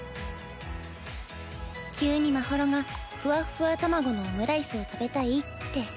急にまほろがふわっふわ玉子のオムライスを食べたいって。